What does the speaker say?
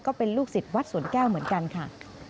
ก็เป็นลูกศิษย์วัดสวนแก้วเหมือนกันค่ะ